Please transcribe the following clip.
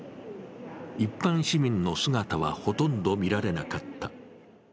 一般市民の姿はほとんど見られなかった。